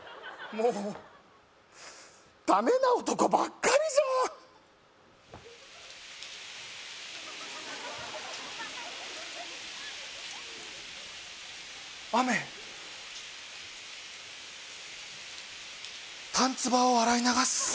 もうダメな男ばっかりじゃん雨たんつばを洗い流す